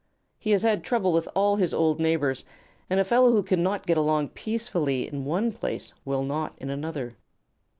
He has had trouble with all his old neighbors, and a fellow who cannot get along peaceably in one place will not in another.